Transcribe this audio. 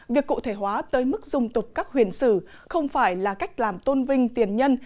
việc cụ thể hóa tới mức dung tục các huyền sử không phải là cách làm tôn vinh tiền nhân